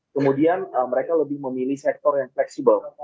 kemudian mereka lebih memilih sektor yang fleksibel